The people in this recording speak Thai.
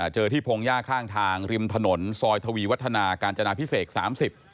เจอที่โพงย่าข้างทางริมถนนซอยทวีวัฒนาการจนาพิเศษ๓๐